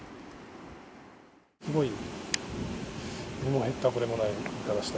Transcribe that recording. すごい。